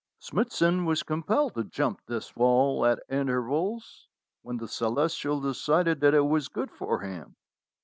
Smithson was compelled to jump this wall at intervals when the Celestial decided that it was good for him.